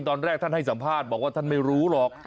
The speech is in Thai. ตอนแรกท่านให้สัมภาษณ์บอกว่าท่านไม่รู้หรอก